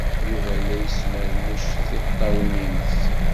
Yuba la yesmermuc tiṭṭawin-nnes.